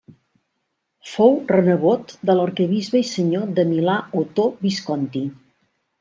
Fou renebot de l'arquebisbe i senyor de Milà Otó Visconti.